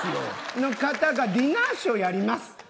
その方がディナーショーやります。